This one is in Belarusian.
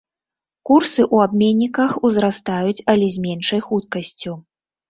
Курсы ў абменніках узрастаюць, але з меншай хуткасцю.